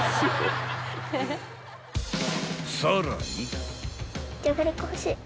［さらに］